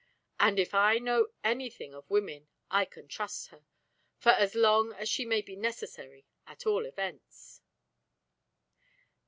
"And if I know anything of women, I can trust her for as long as she may be necessary, at all events."